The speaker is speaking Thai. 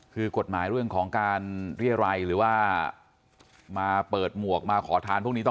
คือกฎหมายเรื่องของการเรียรัยหรือว่ามาเปิดหมวกมาขอทานพวกนี้ต่อ